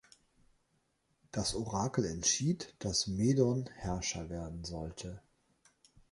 Das Orakel entschied, dass Medon Herrscher werden sollte.